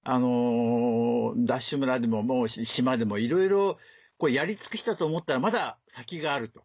ＤＡＳＨ村でも島でもいろいろやり尽くしたと思ったらまだ先がある。